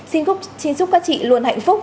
xin giúp các chị luôn hạnh phúc